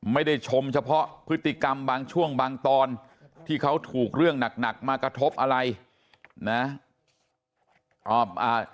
ไม่ได้ชมเฉพาะพฤติกรรมบางช่วงบางตอนที่เขาถูกเรื่องหนักมากระทบอะไรนะ